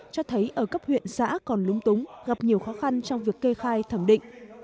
cho thấy ở cấp huyện xã còn lúng túng gặp nhiều khó khăn trong việc kê khai thẩm định